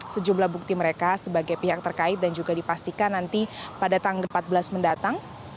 sejumlah bukti mereka sebagai pihak terkait dan juga dipastikan nanti pada tanggal empat belas mendatang